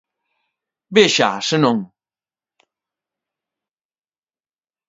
Véxaa, senón...